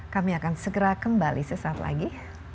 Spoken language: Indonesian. kami akan segera kembali sesaat lagi